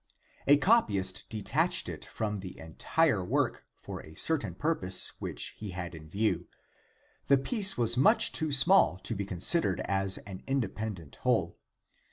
A copyist detached it from the entire work for a certain purpose which he had in view. The piece was much too small to be considered as an independent whole.